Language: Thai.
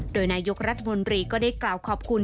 โดยนายกรัฐมนตรีก็ได้กล่าวขอบคุณ